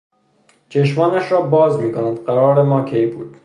چشمانش را باز میکند. قرارِ ما کی بود